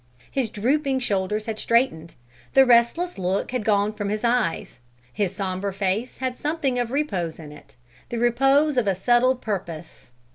His drooping shoulders had straightened; the restless look had gone from his eyes; his sombre face had something of repose in it, the repose of a settled purpose.